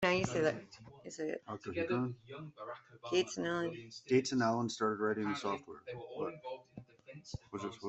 Gates and Allen started writing the software.